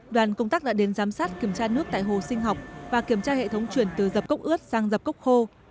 đoàn công tác đã đến giám sát kiểm tra nước tại hồ sinh học và kiểm tra hệ thống chuyển từ dập cốc ướt sang dập cốc khô